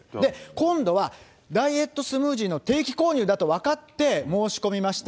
今度はダイエットスムージーの定期購入だと分かって申し込みました。